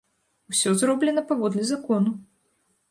Усё зроблена паводле закону.